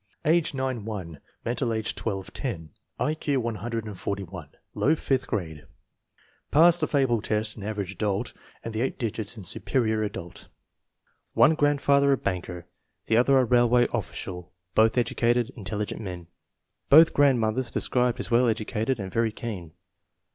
Age 9 1; mental age 12 10; I Q 141; low fifth grade. Passed the fable test in Average Adult, and the eight digits in Superior Adult. One grandfather a banker, the other a railway offi cial; both educated, intelligent men. Both grand mothers described as well educated and very keen.